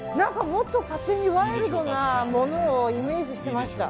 もっと勝手にワイルドなものをイメージしてました。